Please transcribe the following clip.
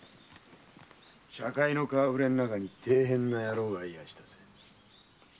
茶会の顔ぶれん中に大変な野郎がいますぜ。